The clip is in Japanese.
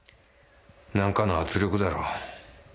何かの圧力だろ。